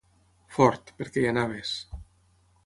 Fort, perquè hi anaves.